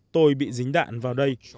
tôi bị dính đạn vào đây